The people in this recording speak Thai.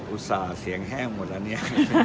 อุตส่าห์เสียงแห้งหมดแล้วเนี่ย